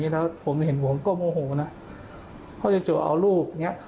แล้วผมเห็นผมก็โมโหนะเขาจะเอาลูกอย่างเงี้